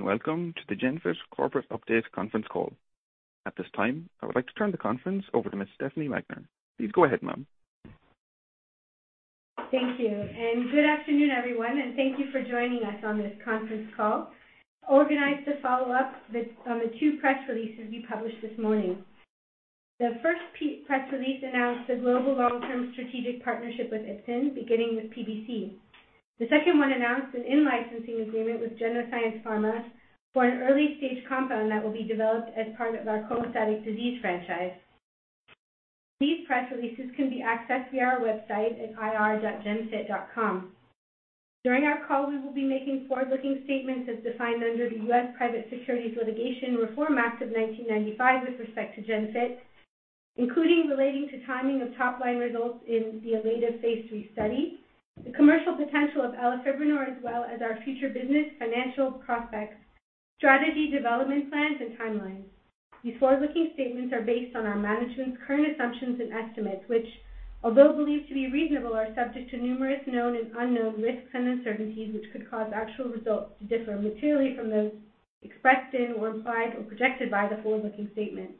Welcome to the GENFIT Corporate Update conference call. At this time, I would like to turn the conference over to Ms. Stefanie Magner. Please go ahead, ma'am. Thank you, and good afternoon, everyone, and thank you for joining us on this conference call. This call is organized to follow up on the two press releases we published this morning. The first press release announced the global long-term strategic partnership with Ipsen, beginning with PBC. The second one announced an in-licensing agreement with Genoscience Pharma for an early-stage compound that will be developed as part of our cholestatic disease franchise. These press releases can be accessed via our website at ir.genfit.com. During our call, we will be making forward-looking statements as defined under the US Private Securities Litigation Reform Act of 1995 with respect to GENFIT, including relating to timing of top-line results in the ELATIVE® phase III study, the commercial potential of elafibranor, as well as our future business, financial prospects, strategy development plans and timelines. These forward-looking statements are based on our management's current assumptions and estimates, which although believed to be reasonable, are subject to numerous known and unknown risks and uncertainties, which could cause actual results to differ materially from those expressed in or implied or projected by the forward-looking statements.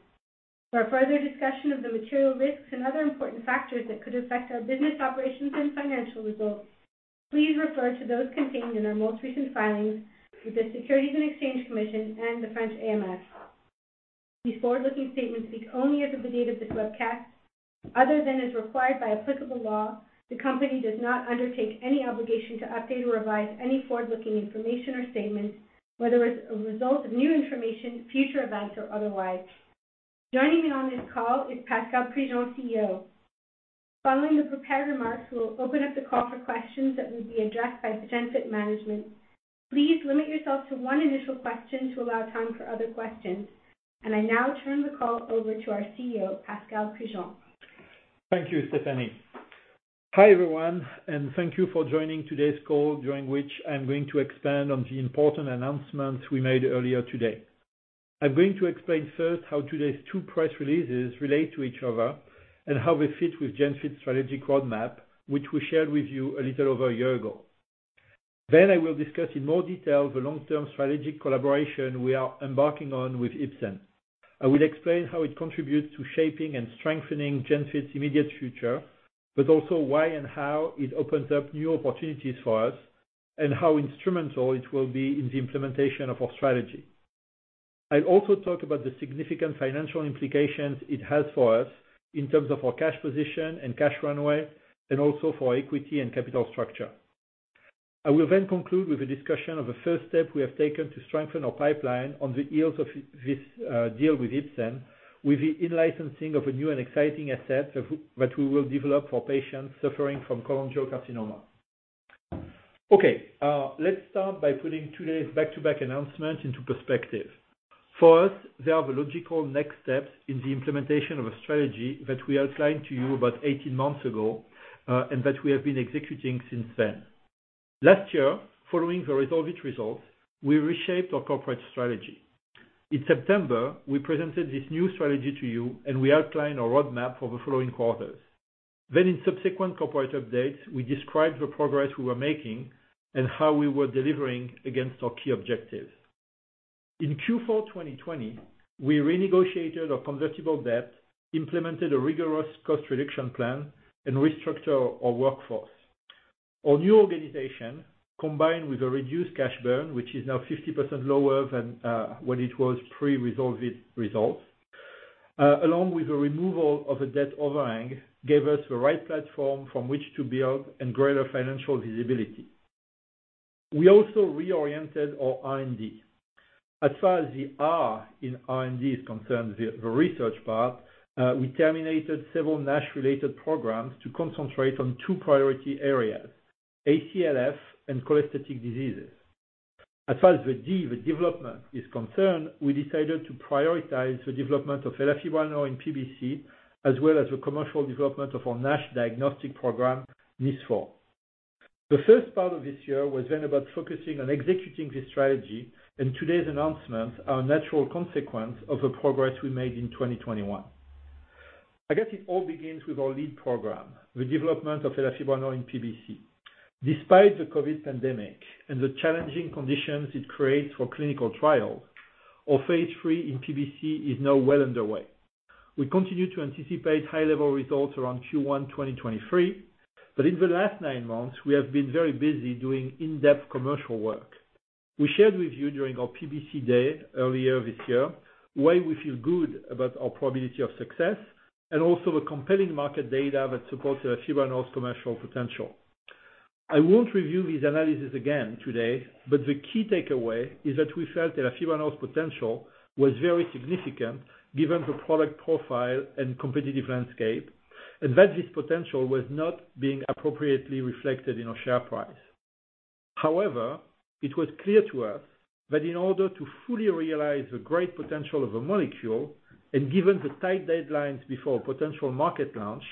For a further discussion of the material risks and other important factors that could affect our business operations and financial results, please refer to those contained in our most recent filings with the Securities and Exchange Commission and the French AMF. These forward-looking statements speak only as of the date of this webcast. Other than is required by applicable law, the Company does not undertake any obligation to update or revise any forward-looking information or statements, whether as a result of new information, future events, or otherwise. Joining me on this call is Pascal Prigent, CEO. Following the prepared remarks, we'll open up the call for questions that will be addressed by GENFIT management. Please limit yourself to one initial question to allow time for other questions. I now turn the call over to our CEO, Pascal Prigent. Thank you, Stefanie. Hi, everyone, and thank you for joining today's call, during which I'm going to expand on the important announcements we made earlier today. I'm going to explain first how today's two press releases relate to each other and how they fit with GENFIT's strategic roadmap, which we shared with you a little over a year ago. I will discuss in more detail the long-term strategic collaboration we are embarking on with Ipsen. I will explain how it contributes to shaping and strengthening GENFIT's immediate future, but also why and how it opens up new opportunities for us and how instrumental it will be in the implementation of our strategy. I'll also talk about the significant financial implications it has for us in terms of our cash position and cash runway, and also for our equity and capital structure. I will then conclude with a discussion of the first step we have taken to strengthen our pipeline on the heels of this deal with Ipsen, with the in-licensing of a new and exciting asset that we will develop for patients suffering from cholangiocarcinoma. Okay, let's start by putting today's back-to-back announcement into perspective. For us, they are the logical next steps in the implementation of a strategy that we outlined to you about 18 months ago, and that we have been executing since then. Last year, following the RESOLVE-IT results, we reshaped our corporate strategy. In September, we presented this new strategy to you, and we outlined our roadmap for the following quarters. In subsequent corporate updates, we described the progress we were making and how we were delivering against our key objectives. In Q4 2020, we renegotiated our convertible debt, implemented a rigorous cost reduction plan, and restructured our workforce. Our new organization, combined with a reduced cash burn, which is now 50% lower than what it was pre-RESOLVE-IT results, along with the removal of a debt overhang, gave us the right platform from which to build and greater financial visibility. We also reoriented our R&D. As far as the R in R&D is concerned, the research part, we terminated several NASH-related programs to concentrate on two priority areas: ACLF and cholestatic diseases. As far as the D, the development is concerned, we decided to prioritize the development of elafibranor in PBC, as well as the commercial development of our NASH diagnostic program, NIS4. The first part of this year was then about focusing on executing this strategy, and today's announcements are a natural consequence of the progress we made in 2021. I guess it all begins with our lead program, the development of elafibranor in PBC. Despite the COVID pandemic and the challenging conditions it creates for clinical trials, our phase III in PBC is now well underway. We continue to anticipate high-level results around Q1 2023, but in the last nine months, we have been very busy doing in-depth commercial work. We shared with you during our PBC day earlier this year why we feel good about our probability of success and also the compelling market data that supports elafibranor's commercial potential. I won't review this analysis again today, but the key takeaway is that we felt elafibranor's potential was very significant given the product profile and competitive landscape, and that this potential was not being appropriately reflected in our share price. However, it was clear to us that in order to fully realize the great potential of a molecule and given the tight deadlines before a potential market launch,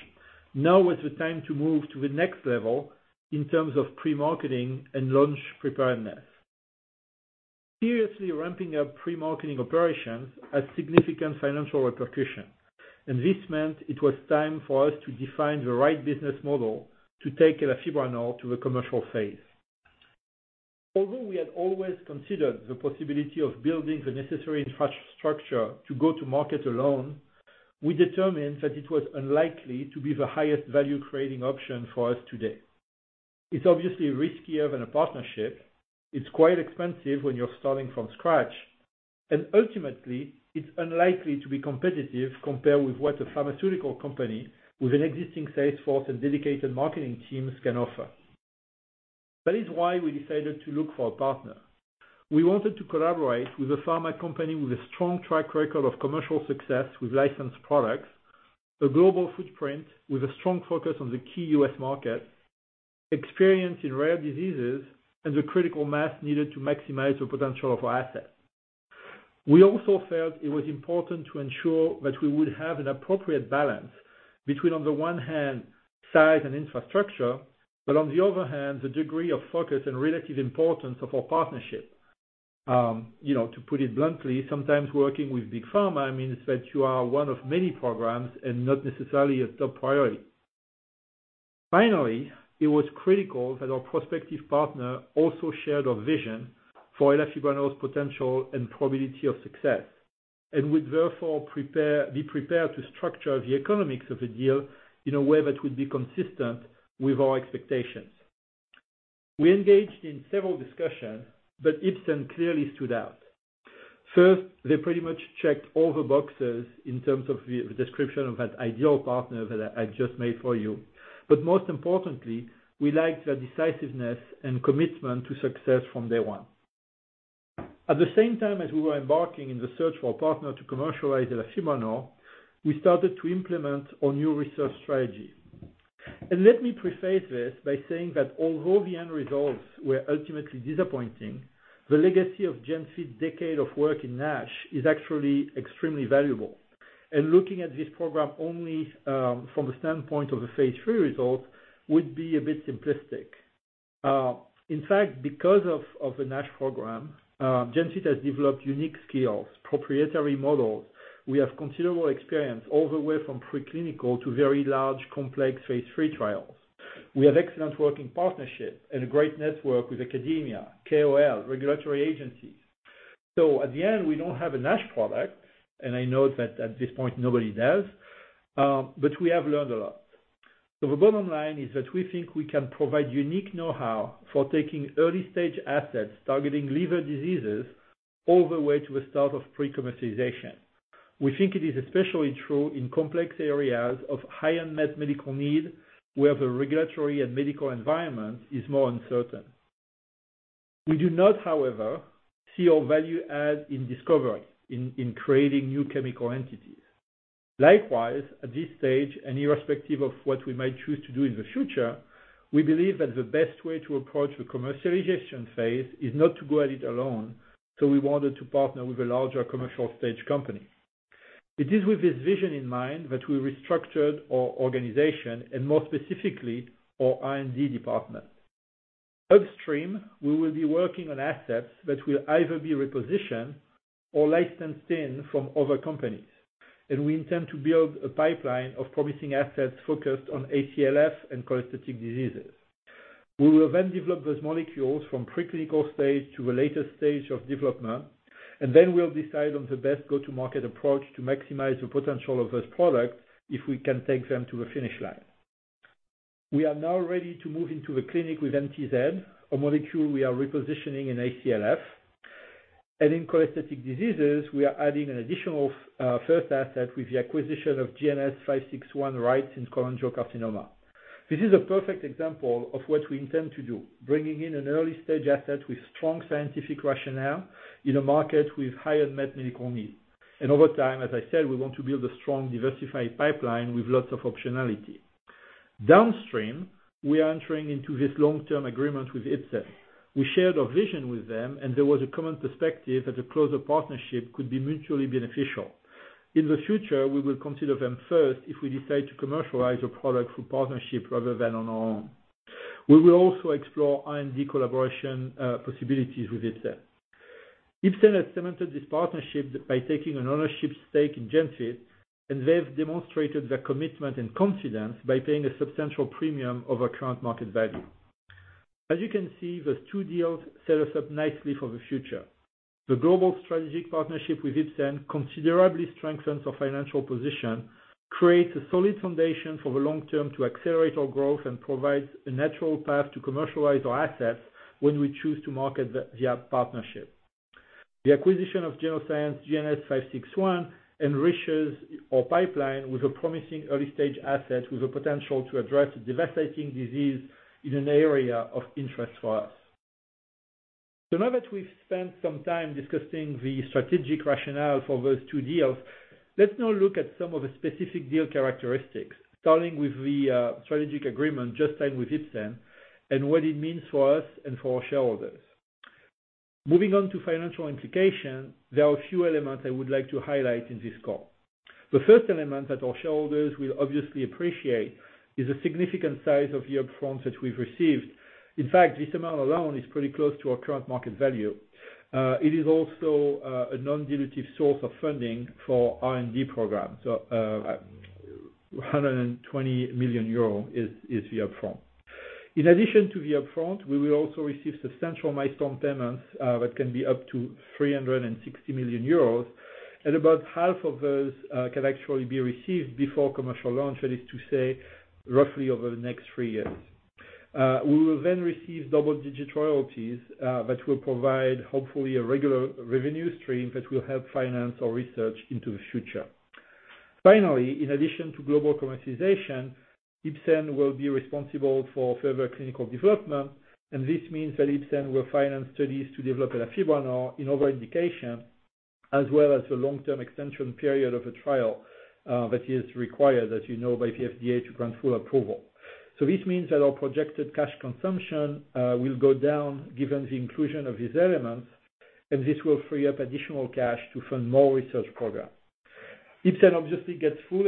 now is the time to move to the next level in terms of pre-marketing and launch preparedness. Seriously ramping up pre-marketing operations has significant financial repercussions. This meant it was time for us to define the right business model to take elafibranor to the commercial phase. Although we had always considered the possibility of building the necessary infrastructure to go to market alone, we determined that it was unlikely to be the highest value creating option for us today. It's obviously riskier than a partnership. It's quite expensive when you're starting from scratch, and ultimately, it's unlikely to be competitive compared with what a pharmaceutical company with an existing sales force and dedicated marketing teams can offer. That is why we decided to look for a partner. We wanted to collaborate with a pharma company with a strong track record of commercial success with licensed products, a global footprint with a strong focus on the key U.S. market, experience in rare diseases, and the critical mass needed to maximize the potential of our assets. We also felt it was important to ensure that we would have an appropriate balance between, on the one hand, size and infrastructure, but on the other hand, the degree of focus and relative importance of our partnership. You know, to put it bluntly, sometimes working with Big Pharma means that you are one of many programs and not necessarily a top priority. Finally, it was critical that our prospective partner also shared our vision for elafibranor's potential and probability of success, and would therefore be prepared to structure the economics of the deal in a way that would be consistent with our expectations. We engaged in several discussions, but Ipsen clearly stood out. First, they pretty much checked all the boxes in terms of the description of that ideal partner that I just made for you. But most importantly, we liked their decisiveness and commitment to success from day one. At the same time as we were embarking in the search for a partner to commercialize elafibranor, we started to implement our new research strategy. Let me preface this by saying that although the end results were ultimately disappointing, the legacy of GENFIT's decade of work in NASH is actually extremely valuable. Looking at this program only from the standpoint of the phase III results would be a bit simplistic. In fact, because of the NASH program, GENFIT has developed unique skills, proprietary models. We have considerable experience all the way from preclinical to very large, complex phase III trials. We have excellent working partnerships and a great network with academia, KOL, regulatory agencies. At the end, we don't have a NASH product, and I know that at this point nobody does, but we have learned a lot. The bottom line is that we think we can provide unique know-how for taking early stage assets targeting liver diseases all the way to the start of pre-commercialization. We think it is especially true in complex areas of high unmet medical need, where the regulatory and medical environment is more uncertain. We do not, however, see our value add in discovery, in creating new chemical entities. Likewise, at this stage, and irrespective of what we might choose to do in the future, we believe that the best way to approach the commercialization phase is not to go at it alone, so we wanted to partner with a larger commercial stage company. It is with this vision in mind that we restructured our organization and more specifically, our R&D department. Upstream, we will be working on assets that will either be repositioned or licensed in from other companies, and we intend to build a pipeline of promising assets focused on ACLF and cholestatic diseases. We will then develop those molecules from preclinical stage to the later stage of development, and then we'll decide on the best go-to-market approach to maximize the potential of those products if we can take them to the finish line. We are now ready to move into the clinic with NTZ, a molecule we are repositioning in ACLF. In cholestatic diseases, we are adding an additional, first asset with the acquisition of GNS561 right in cholangiocarcinoma. This is a perfect example of what we intend to do, bringing in an early-stage asset with strong scientific rationale in a market with high unmet medical need. Over time, as I said, we want to build a strong diversified pipeline with lots of optionality. Downstream, we are entering into this long-term agreement with Ipsen. We shared our vision with them, and there was a common perspective that a closer partnership could be mutually beneficial. In the future, we will consider them first if we decide to commercialize a product through partnership rather than on our own. We will also explore R&D collaboration possibilities with Ipsen. Ipsen has cemented this partnership by taking an ownership stake in GENFIT, and they've demonstrated their commitment and confidence by paying a substantial premium over current market value. As you can see, those two deals set us up nicely for the future. The global strategic partnership with Ipsen considerably strengthens our financial position, creates a solid foundation for the long term to accelerate our growth, and provides a natural path to commercialize our assets when we choose to market the partnership. The acquisition of Genoscience GNS561 enriches our pipeline with a promising early-stage asset with the potential to address a devastating disease in an area of interest for us. Now that we've spent some time discussing the strategic rationale for those two deals, let's now look at some of the specific deal characteristics, starting with the strategic agreement just signed with Ipsen and what it means for us and for our shareholders. Moving on to financial implications, there are a few elements I would like to highlight in this call. The first element that our shareholders will obviously appreciate is the significant size of the upfront that we've received. In fact, this amount alone is pretty close to our current market value. It is also a non-dilutive source of funding for R&D programs. 120 million euro is the upfront. In addition to the upfront, we will also receive substantial milestone payments that can be up to 360 million euros, and about half of those can actually be received before commercial launch, that is to say, roughly over the next three years. We will then receive double-digit royalties that will provide hopefully a regular revenue stream that will help finance our research into the future. Finally, in addition to global commercialization, Ipsen will be responsible for further clinical development, and this means that Ipsen will finance studies to develop elafibranor in other indications, as well as the long-term extension period of the trial that is required, as you know, by the FDA to grant full approval. This means that our projected cash consumption will go down given the inclusion of these elements, and this will free up additional cash to fund more research programs. Ipsen obviously gets full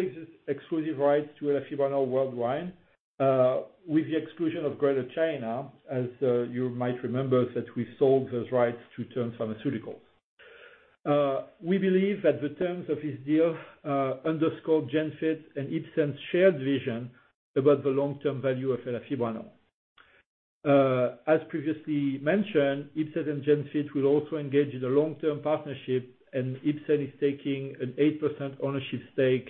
exclusive rights to elafibranor worldwide, with the exclusion of Greater China, as you might remember that we sold those rights to Terns Pharmaceuticals. We believe that the terms of this deal underscore GENFIT and Ipsen's shared vision about the long-term value of elafibranor. As previously mentioned, Ipsen and GENFIT will also engage in a long-term partnership, and Ipsen is taking an 8% ownership stake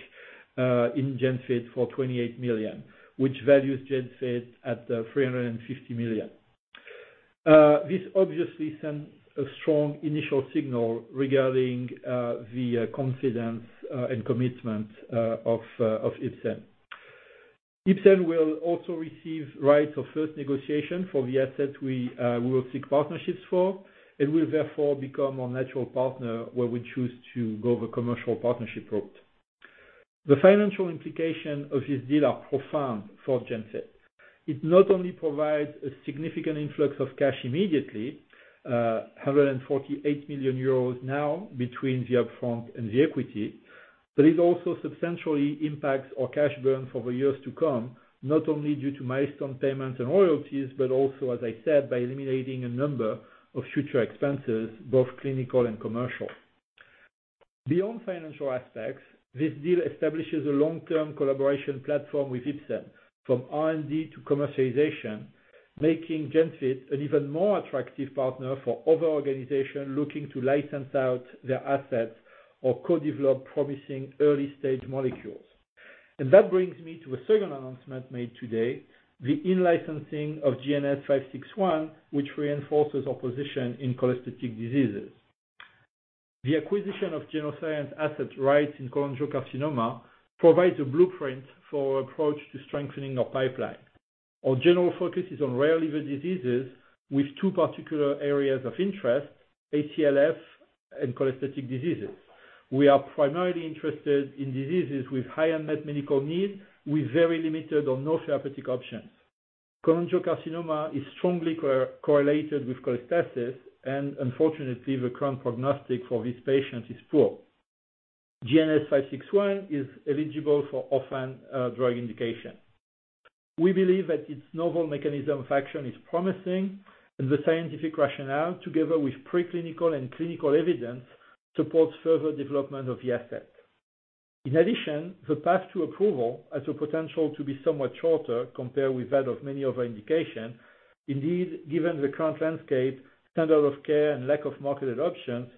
in GENFIT for 28 million, which values GENFIT at 350 million. This obviously sends a strong initial signal regarding the confidence and commitment of Ipsen. Ipsen will also receive rights of first negotiation for the assets we will seek partnerships for. It will therefore become our natural partner when we choose to go the commercial partnership route. The financial implication of this deal are profound for GENFIT. It not only provides a significant influx of cash immediately, 148 million euros now between the upfront and the equity, but it also substantially impacts our cash burn for the years to come, not only due to milestone payments and royalties, but also, as I said, by eliminating a number of future expenses, both clinical and commercial. Beyond financial aspects, this deal establishes a long-term collaboration platform with Ipsen from R&D to commercialization, making GENFIT an even more attractive partner for other organizations looking to license out their assets or co-develop promising early-stage molecules. That brings me to a second announcement made today, the in-licensing of GNS561, which reinforces our position in cholestatic diseases. The acquisition of Genoscience asset rights in cholangiocarcinoma provides a blueprint for our approach to strengthening our pipeline. Our general focus is on rare liver diseases with two particular areas of interest, ACLF and cholestatic diseases. We are primarily interested in diseases with high unmet medical need, with very limited or no therapeutic options. Cholangiocarcinoma is strongly correlated with cholestasis, and unfortunately, the current prognosis for these patients is poor. GNS561 is eligible for orphan drug indication. We believe that its novel mechanism of action is promising, and the scientific rationale, together with preclinical and clinical evidence, supports further development of the asset. In addition, the path to approval has the potential to be somewhat shorter compared with that of many other indications. Indeed, given the current landscape, standard of care and lack of marketed options,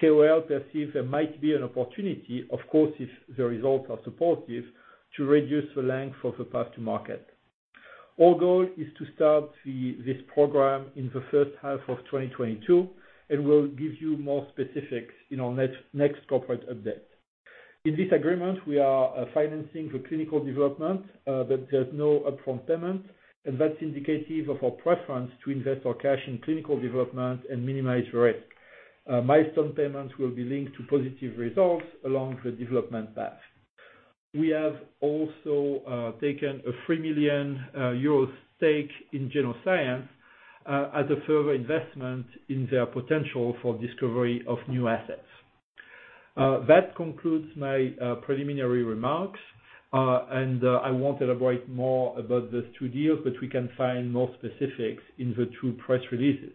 KOL perceive there might be an opportunity, of course, if the results are supportive, to reduce the length of the path to market. Our goal is to start this program in the first half of 2022, and we'll give you more specifics in our next corporate update. In this agreement, we are financing the clinical development, but there's no upfront payment, and that's indicative of our preference to invest our cash in clinical development and minimize risk. Milestone payments will be linked to positive results along the development path. We have also taken a 3 million euro stake in Genoscience, as a further investment in their potential for discovery of new assets. That concludes my preliminary remarks. I won't elaborate more about those two deals, we can find more specifics in the two press releases.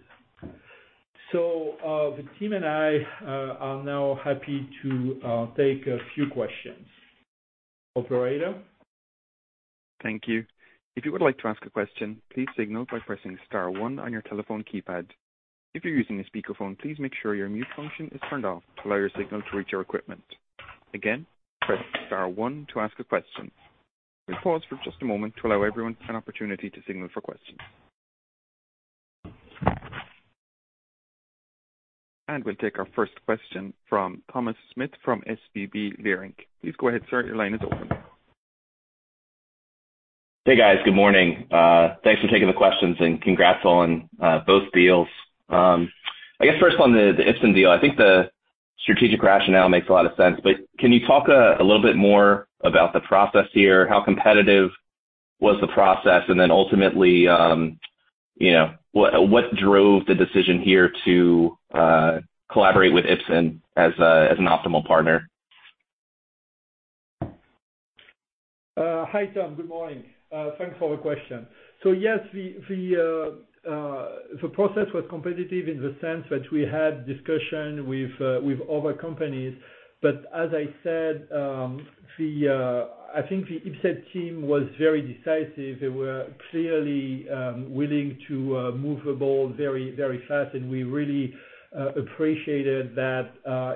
The team and I are now happy to take a few questions. Operator? Thank you. If you would like to ask a question, please signal by pressing star one on your telephone keypad. If you're using a speakerphone, please make sure your mute function is turned off to allow your signal to reach our equipment. Again, press star one to ask a question. We'll pause for just a moment to allow everyone an opportunity to signal for questions. We'll take our first question from Thomas Smith from SVB Leerink. Please go ahead, sir. Your line is open. Hey, guys. Good morning. Thanks for taking the questions and congrats on both deals. I guess first on the Ipsen deal. I think the strategic rationale makes a lot of sense, but can you talk a little bit more about the process here? How competitive was the process? And then ultimately, you know, what drove the decision here to collaborate with Ipsen as an optimal partner? Hi, Tom. Good morning. Thanks for the question. Yes, the process was competitive in the sense that we had discussion with other companies, but as I said, the Ipsen team was very decisive. They were clearly willing to move the ball very, very fast, and we really appreciated that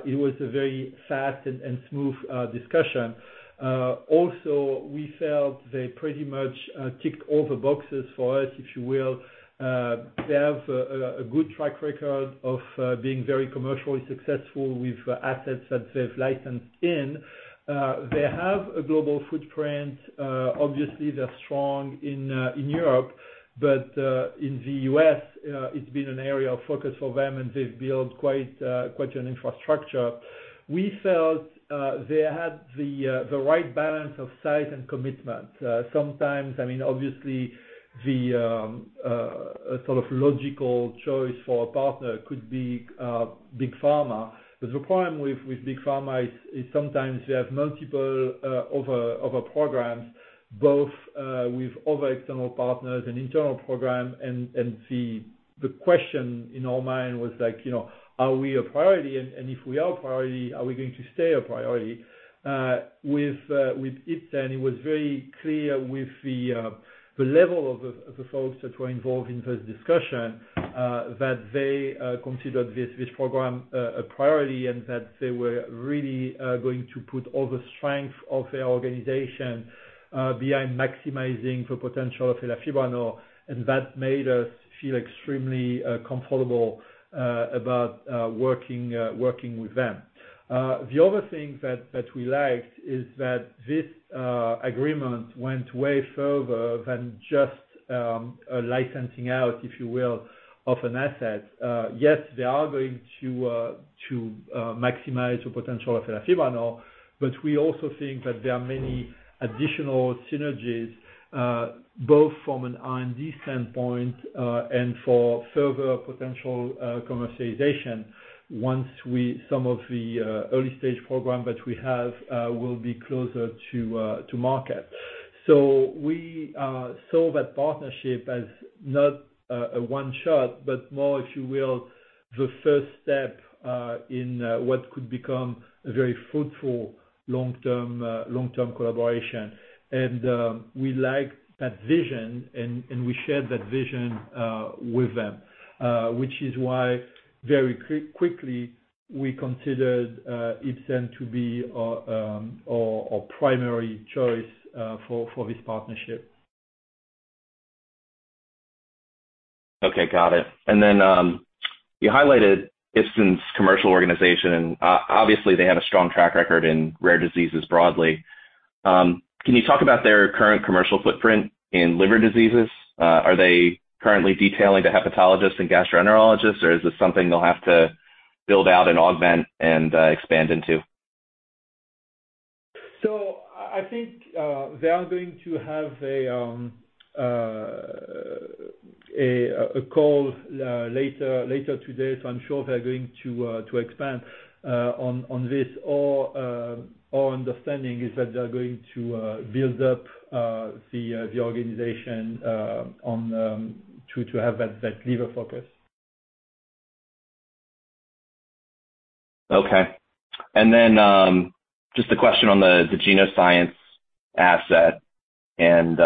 it was a very fast and smooth discussion. Also, we felt they pretty much ticked all the boxes for us, if you will. They have a good track record of being very commercially successful with assets that they've licensed in. They have a global footprint. Obviously, they're strong in Europe, but in the U.S., it's been an area of focus for them, and they've built quite an infrastructure. We felt they had the right balance of size and commitment. Sometimes, I mean, obviously the sort of logical choice for a partner could be big pharma. The problem with big pharma is sometimes they have multiple other programs, both with other external partners and internal program. The question in our mind was like, you know, are we a priority? If we are a priority, are we going to stay a priority? With Ipsen, it was very clear with the level of the folks that were involved in those discussions, that they considered this program a priority and that they were really going to put all the strength of their organization behind maximizing the potential of elafibranor, and that made us feel extremely comfortable about working with them. The other thing that we liked is that this agreement went way further than just a licensing out, if you will, of an asset. Yes, they are going to maximize the potential of elafibranor, but we also think that there are many additional synergies, both from an R&D standpoint, and for further potential commercialization once some of the early stage program that we have will be closer to market. We saw that partnership as not a one shot, but more, if you will, the first step in what could become a very fruitful long-term collaboration. We like that vision and we shared that vision with them. Which is why very quickly we considered Ipsen to be our primary choice for this partnership. Okay. Got it. You highlighted Ipsen's commercial organization and obviously they had a strong track record in rare diseases broadly. Can you talk about their current commercial footprint in liver diseases? Are they currently detailing to hepatologists and gastroenterologists, or is this something they'll have to build out and augment and expand into? I think they are going to have a call later today, so I'm sure they're going to expand on this. Our understanding is that they're going to build up the organization to have that liver focus. Okay. Just a question on the Genoscience asset and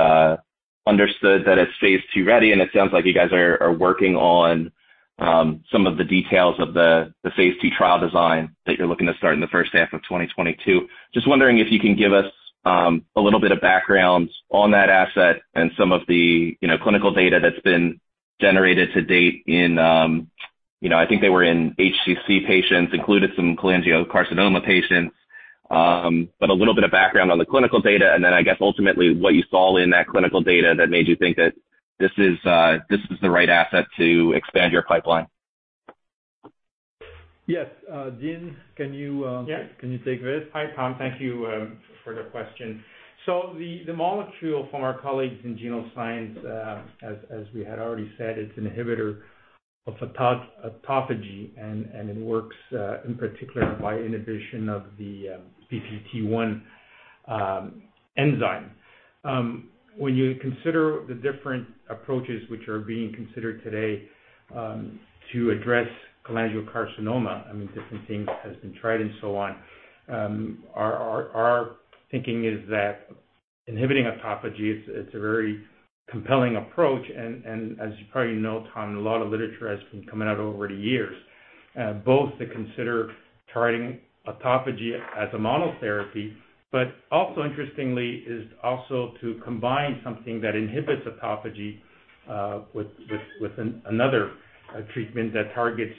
understood that it's phase II ready, and it sounds like you guys are working on some of the details of the phase II trial design that you're looking to start in the first half of 2022. Just wondering if you can give us a little bit of background on that asset and some of the, you know, clinical data that's been generated to date in, you know, I think they were in HCC patients, included some cholangiocarcinoma patients. But a little bit of background on the clinical data and then I guess ultimately what you saw in that clinical data that made you think that this is this is the right asset to expand your pipeline. Yes. Dean, can you- Yes. Can you take this? Hi, Tom. Thank you for the question. The molecule from our colleagues in Genoscience, as we had already said, it's an inhibitor of autophagy, and it works in particular by inhibition of the PPT1 enzyme. When you consider the different approaches which are being considered today to address cholangiocarcinoma, I mean, different things has been tried and so on, our thinking is that inhibiting autophagy it's a very compelling approach. As you probably know, Tom, a lot of literature has been coming out over the years, both to consider trying autophagy as a monotherapy, but also interestingly is also to combine something that inhibits autophagy with another treatment that targets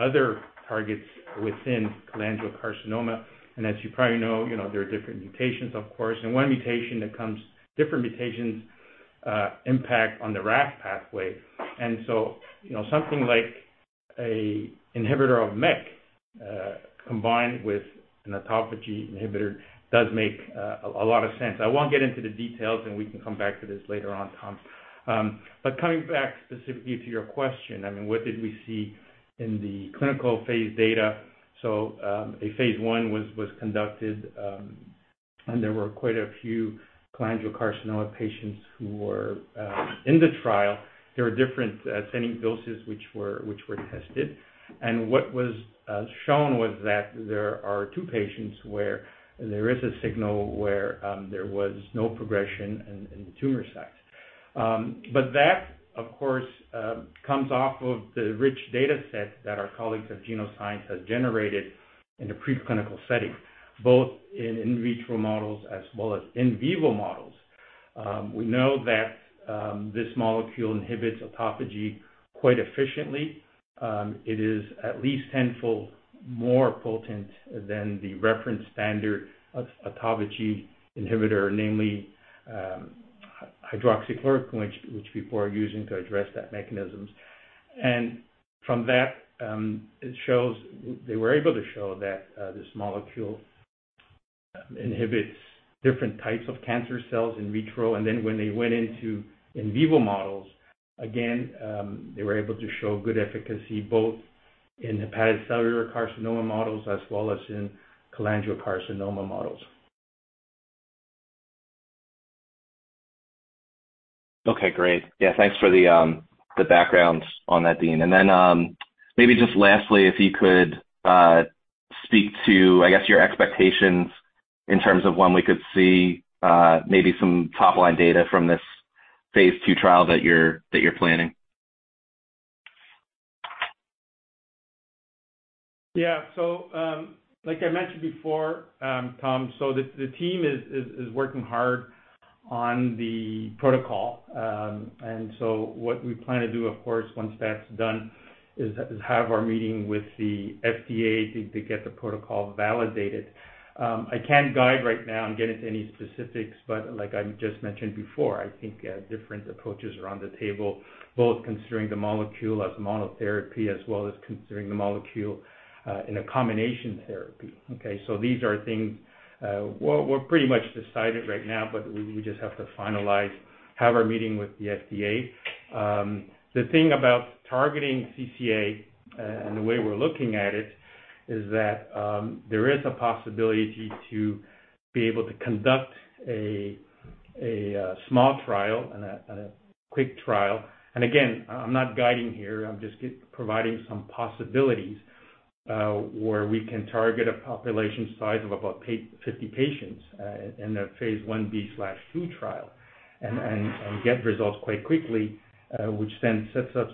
other targets within cholangiocarcinoma. As you probably know, you know, there are different mutations, of course. Different mutations impact on the RAS pathway. You know, something like a inhibitor of MEK combined with an autophagy inhibitor does make a lot of sense. I won't get into the details, and we can come back to this later on, Tom. But coming back specifically to your question, I mean, what did we see in the clinical phase data? A phase I was conducted. There were quite a few cholangiocarcinoma patients who were in the trial. There were different doses which were tested. What was shown was that there are two patients where there is a signal where there was no progression in the tumor sites. That, of course, comes off of the rich data set that our colleagues at Genoscience have generated in the preclinical setting, both in vitro models as well as in vivo models. We know that this molecule inhibits autophagy quite efficiently. It is at least tenfold more potent than the reference standard of autophagy inhibitor, namely, hydroxychloroquine, which people are using to address those mechanisms. From that, it shows, they were able to show that this molecule inhibits different types of cancer cells in vitro. When they went into in vivo models, again, they were able to show good efficacy both in hepatocellular carcinoma models as well as in cholangiocarcinoma models. Okay, great. Yeah, thanks for the background on that, Dean. Then, maybe just lastly, if you could speak to, I guess, your expectations in terms of when we could see maybe some top-line data from this phase II trial that you're planning. Yeah. Like I mentioned before, Tom, so the team is working hard on the protocol. What we plan to do, of course, once that's done, is have our meeting with the FDA to get the protocol validated. I can't guide right now and get into any specifics, but like I just mentioned before, I think different approaches are on the table, both considering the molecule as monotherapy as well as considering the molecule in a combination therapy. Okay? These are things, well, we're pretty much decided right now, but we just have to finalize our meeting with the FDA. The thing about targeting CCA, and the way we're looking at it, is that there is a possibility to be able to conduct a small trial and a quick trial. Again, I'm not guiding here. I'm just providing some possibilities, where we can target a population size of about 50 patients, in a phase Ib/II trial and get results quite quickly, which then sets us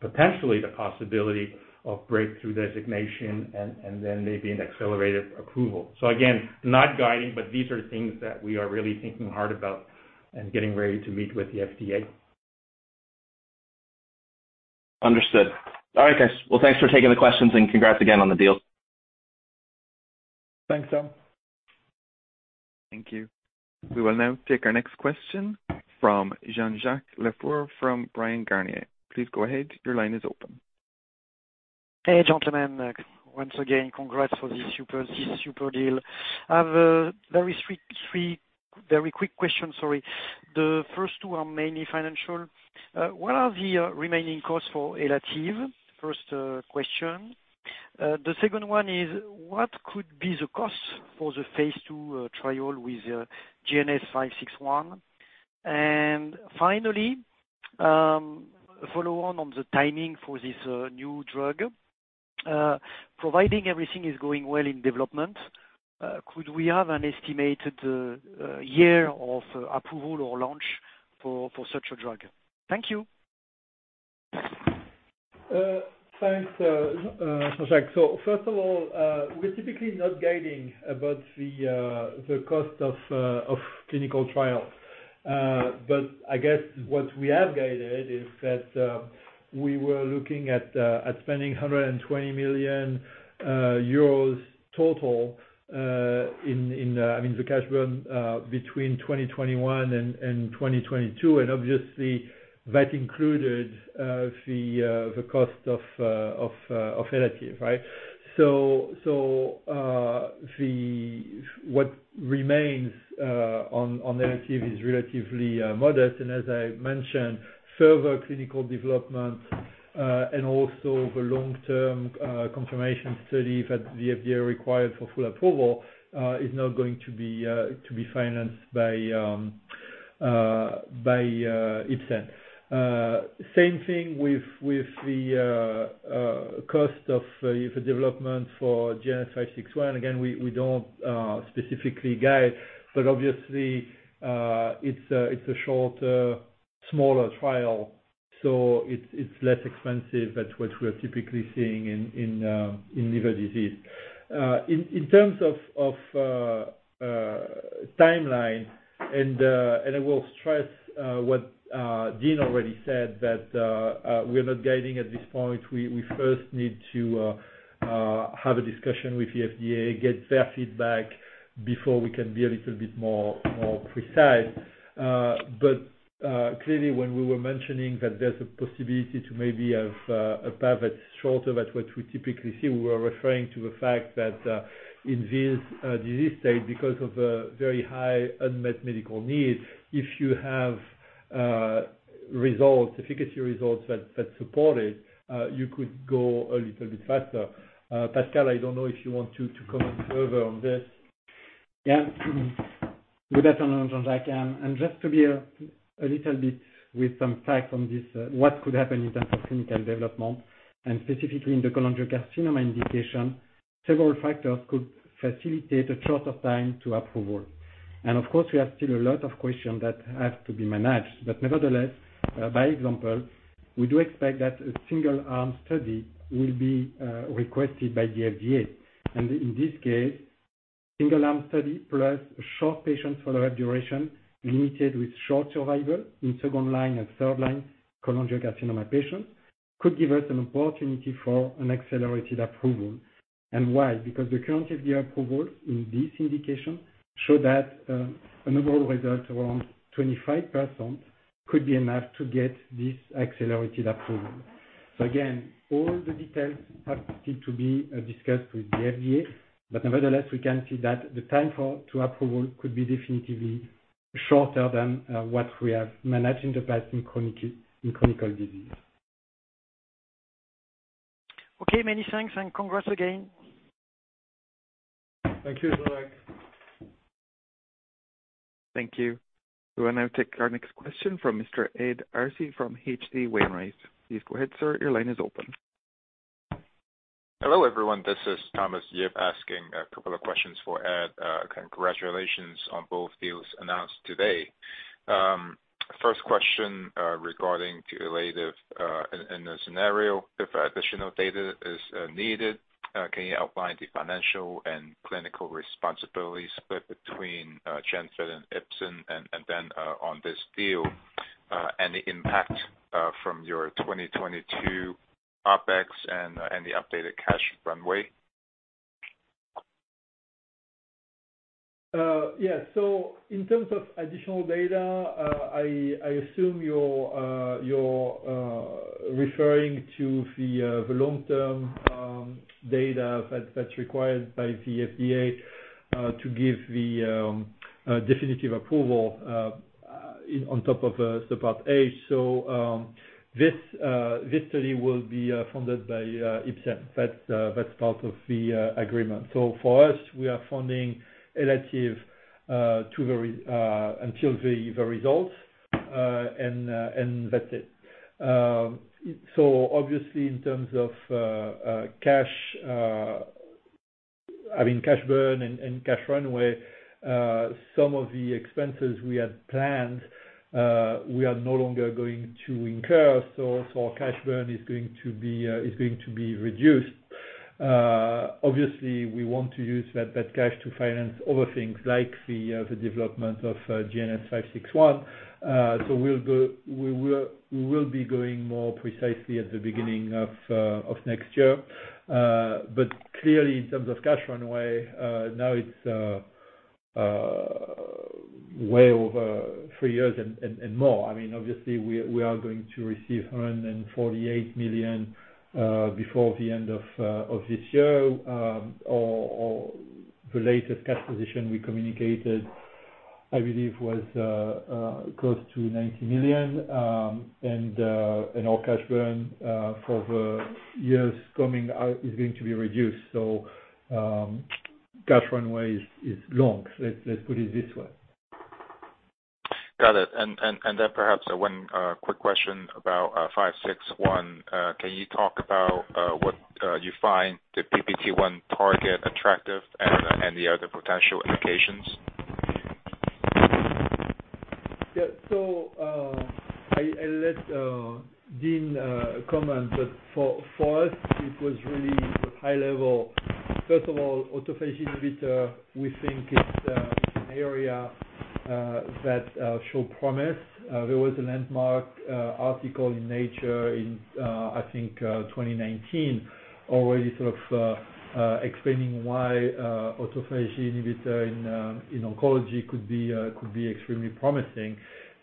potentially the possibility of breakthrough designation and then maybe an accelerated approval. Again, not guiding, but these are things that we are really thinking hard about and getting ready to meet with the FDA. Understood. All right, guys. Well, thanks for taking the questions, and congrats again on the deal. Thanks, Tom. Thank you. We will now take our next question from Jean-Jacques Le Fur from Bryan, Garnier. Please go ahead. Your line is open. Hey, gentlemen. Once again, congrats for this super deal. I have three very quick questions, sorry. The first two are mainly financial. What are the remaining costs for ELATIVE®? First question. The second one is, what could be the cost for the phase II trial with GNS561? And finally, a follow-on on the timing for this new drug. Providing everything is going well in development, could we have an estimated year of approval or launch for such a drug? Thank you. Thanks, Jean-Jacques. First of all, we're typically not guiding about the cost of clinical trials. But I guess what we have guided is that we were looking at spending 120 million euros total, I mean, the cash burn between 2021 and 2022. Obviously, that included the cost of ELATIVE®, right? What remains on ELATIVE® is relatively modest. As I mentioned, further clinical development and also the long-term confirmation study that the FDA required for full approval is now going to be financed by Ipsen. Same thing with the cost of the development for GNS561. Again, we don't specifically guide, but obviously, it's a short, smaller trial, so it's less expensive than what we're typically seeing in liver disease. In terms of timeline, and I will stress what Dean already said that we're not guiding at this point. We first need to have a discussion with the FDA, get their feedback before we can be a little bit more precise. Clearly when we were mentioning that there's a possibility to maybe have a path that's shorter than what we typically see, we were referring to the fact that in this disease state, because of a very high unmet medical need, if you have results, efficacy results that support it, you could go a little bit faster. Pascal, I don't know if you want to comment further on this. Yeah. Good afternoon, Jean-Jacques. Just to be a little bit with some facts on this, what could happen in terms of clinical development and specifically in the cholangiocarcinoma indication, several factors could facilitate a shorter time to approval. Of course, we have still a lot of questions that have to be managed. Nevertheless, for example, we do expect that a single-arm study will be requested by the FDA. In this case, single-arm study plus short patient follow-up duration limited by short survival in second-line and third-line cholangiocarcinoma patients could give us an opportunity for an accelerated approval. Why? Because the current FDA approval in this indication shows that an overall result around 25% could be enough to get this accelerated approval. Again, all the details have still to be discussed with the FDA, but nevertheless, we can see that the time to approval could be definitively shorter than what we have managed in the past in chronic disease. Okay, many thanks, and congrats again. Thank you, Jean-Jacques. Thank you. We will now take our next question from Mr. Ed Arce from H.C. Wainwright. Please go ahead, sir. Your line is open. Hello, everyone. This is Thomas Yip asking a couple of questions for Ed. Congratulations on both deals announced today. First question, regarding to ELATIVE®. In a scenario if additional data is needed, can you outline the financial and clinical responsibility split between GENFIT and Ipsen? Then, on this deal, any impact from your 2022 OpEx and the updated cash runway? Yeah. In terms of additional data, I assume you're referring to the long-term data that's required by the FDA to give the definitive approval on top of the Part A. This study will be funded by Ipsen. That's part of the agreement. For us, we are funding ELATIVE® until the results, and that's it. Obviously in terms of cash, I mean, cash burn and cash runway, some of the expenses we had planned, we are no longer going to incur, so our cash burn is going to be reduced. Obviously we want to use that cash to finance other things like the development of GNS561. We will be going more precisely at the beginning of next year. Clearly in terms of cash runway, now it's way over three years and more. I mean, obviously we are going to receive 148 million before the end of this year. Our related cash position we communicated, I believe was close to 90 million. Our cash burn for the years coming up is going to be reduced. Cash runway is long. Let's put it this way. Got it. Perhaps one quick question about GNS561. Can you talk about what you find the PPT1 target attractive and the other potential indications? Yeah. I let Dean comment, but for us it was really high level. First of all, autophagy inhibitor, we think is an area that show promise. There was a landmark article in Nature in, I think, 2019, already sort of explaining why autophagy inhibitor in oncology could be extremely promising.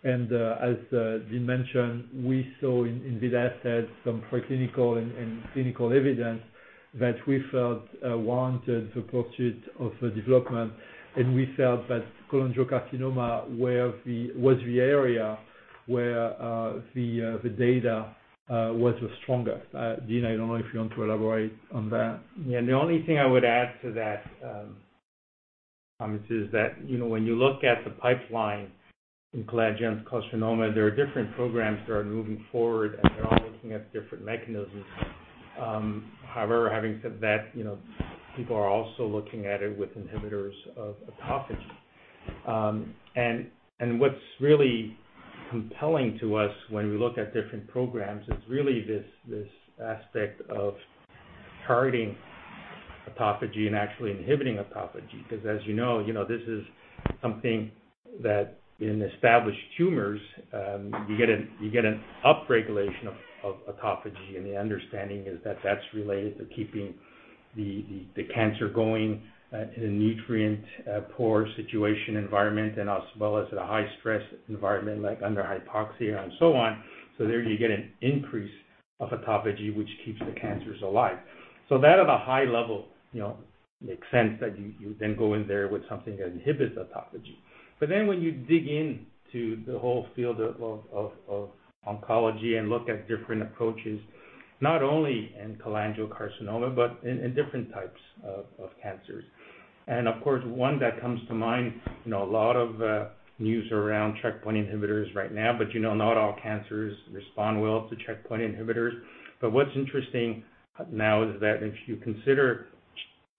As Dean mentioned, we saw in this asset some preclinical and clinical evidence that we felt warranted the pursuit of a development. We felt that cholangiocarcinoma was the area where the data was the stronger. Dean, I don't know if you want to elaborate on that. Yeah. The only thing I would add to that, Thomas, is that, you know, when you look at the pipeline in cholangiocarcinoma, there are different programs that are moving forward, and they're all looking at different mechanisms. However, having said that, you know, people are also looking at it with inhibitors of autophagy. And what's really compelling to us when we look at different programs is really this aspect of targeting autophagy and actually inhibiting autophagy. Because as you know, you know, this is something that in established tumors, you get an upregulation of autophagy, and the understanding is that that's related to keeping the cancer going in a nutrient poor situation environment and as well as in a high-stress environment like under hypoxia and so on. There you get an increase of autophagy, which keeps the cancers alive. That at a high level, you know, makes sense that you then go in there with something that inhibits autophagy. When you dig into the whole field of oncology and look at different approaches, not only in cholangiocarcinoma, but in different types of cancers. Of course, one that comes to mind, you know, a lot of news around checkpoint inhibitors right now, but, you know, not all cancers respond well to checkpoint inhibitors. What's interesting now is that if you consider,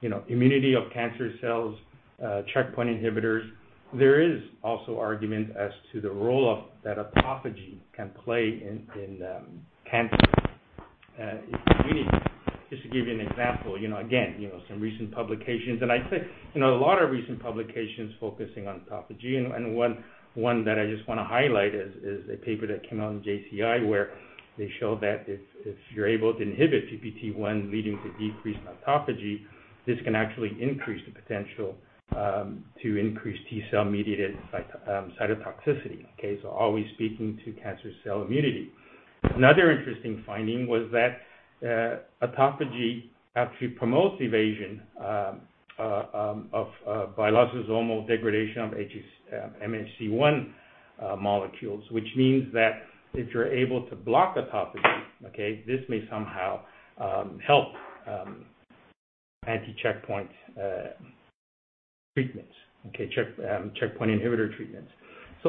you know, immunity of cancer cells, checkpoint inhibitors, there is also argument as to the role of that autophagy can play in cancer. Just to give you an example, you know, again, you know, some recent publications. I think, you know, a lot of recent publications focusing on autophagy. I just wanna highlight one that is a paper that came out in JCI, where they show that if you're able to inhibit PPT1 leading to decreased autophagy, this can actually increase the potential to increase T-cell mediated cytotoxicity. Always speaking to cancer cell immunity. Another interesting finding was that autophagy actually promotes evasion by lysosomal degradation of MHC-1 molecules, which means that if you're able to block autophagy, this may somehow help checkpoint inhibitor treatments.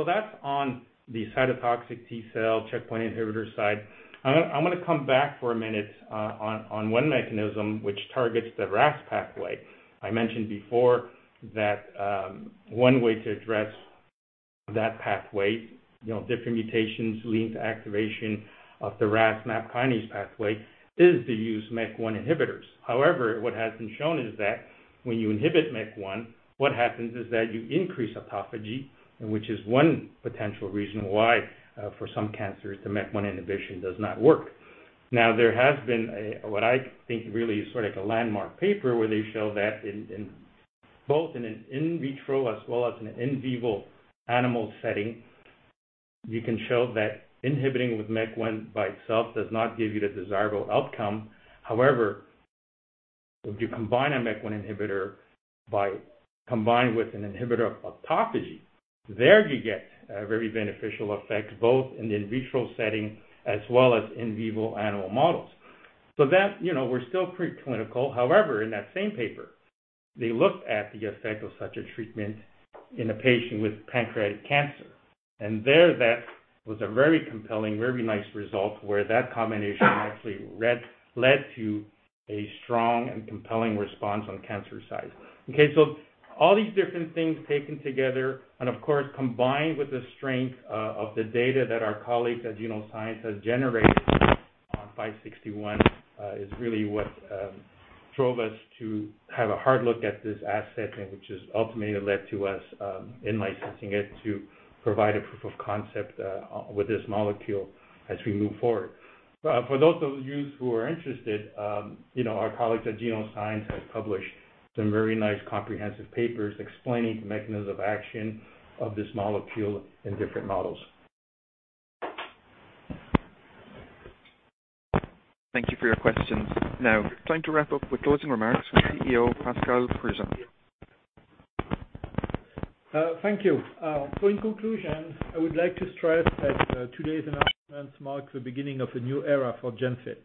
That's on the cytotoxic T-cell checkpoint inhibitor side. I'm gonna come back for a minute on one mechanism which targets the RAS pathway. I mentioned before that one way to address that pathway, you know, different mutations lead to activation of the RAS/MAPK pathway, is to use MEK1 inhibitors. However, what has been shown is that when you inhibit MEK1, what happens is that you increase autophagy, and which is one potential reason why for some cancers, the MEK1 inhibition does not work. Now, there has been what I think really is sort of like a landmark paper, where they show that in both an in vitro as well as in an in vivo animal setting, you can show that inhibiting with MEK1 by itself does not give you the desirable outcome. However, if you combine a MEK1 inhibitor by combining with an inhibitor of autophagy, there you get a very beneficial effect, both in the in vitro setting as well as in vivo animal models. That, you know, we're still pre-clinical. However, in that same paper, they looked at the effect of such a treatment in a patient with pancreatic cancer. There that was a very compelling, very nice result where that combination actually led to a strong and compelling response on cancer size. Okay, all these different things taken together, and of course combined with the strength of the data that our colleagues at Genoscience has generated on 561, is really what drove us to have a hard look at this asset and which has ultimately led to us in-licensing it to provide a proof of concept with this molecule as we move forward. For those of you who are interested, you know, our colleagues at Genoscience Pharma have published some very nice comprehensive papers explaining the mechanism of action of this molecule in different models. Thank you for your questions. Now it's time to wrap up with closing remarks from CEO Pascal Prigent. Thank you. In conclusion, I would like to stress that today's announcements mark the beginning of a new era for GENFIT.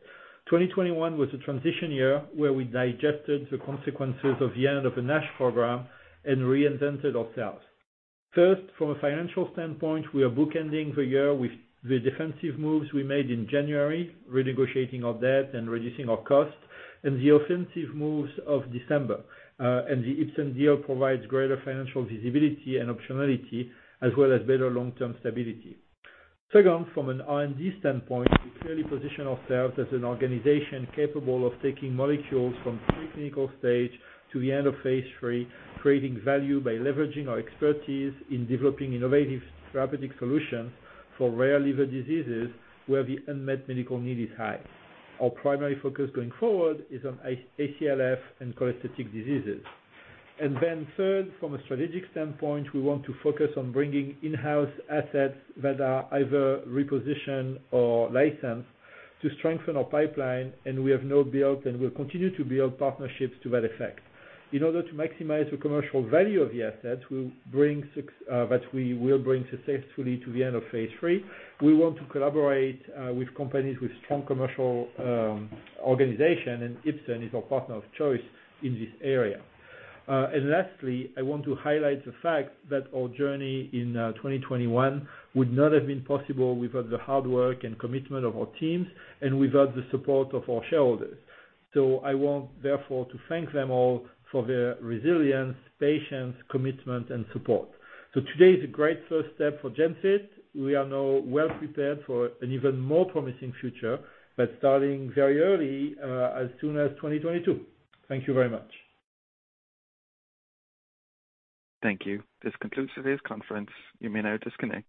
2021 was a transition year where we digested the consequences of the end of the NASH program and reinvented ourselves. First, from a financial standpoint, we are bookending the year with the defensive moves we made in January, renegotiating our debt and reducing our costs, and the offensive moves of December. The Ipsen deal provides greater financial visibility and optionality as well as better long-term stability. Second, from an R&D standpoint, we clearly position ourselves as an organization capable of taking molecules from pre-clinical stage to the end of phase III, creating value by leveraging our expertise in developing innovative therapeutic solutions for rare liver diseases where the unmet medical need is high. Our primary focus going forward is on ACLF and cholestatic diseases. Then third, from a strategic standpoint, we want to focus on bringing in-house assets that are either repositioned or licensed to strengthen our pipeline, and we have now built and will continue to build partnerships to that effect. In order to maximize the commercial value of the assets, that we will bring successfully to the end of phase III. We want to collaborate with companies with strong commercial organization, and Ipsen is our partner of choice in this area. Lastly, I want to highlight the fact that our journey in 2021 would not have been possible without the hard work and commitment of our teams and without the support of our shareholders. I want, therefore, to thank them all for their resilience, patience, commitment, and support. Today is a great first step for GENFIT. We are now well prepared for an even more promising future, but starting very early, as soon as 2022. Thank you very much. Thank you. This concludes today's conference. You may now disconnect.